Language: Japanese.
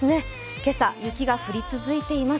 今朝、雪が降り続いています。